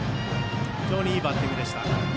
非常にいいバッティングでした。